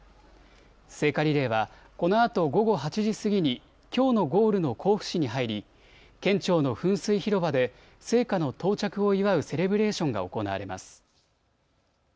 聖火リレーはこのあと午後８時過ぎにきょうのゴールの甲府市に入り県庁の噴水広場で聖火の到着を祝うセレブレーションが行われます。